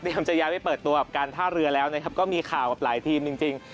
จะย้ายไปเปิดตัวกับการท่าเรือแล้วนะครับก็มีข่าวกับหลายทีมจริง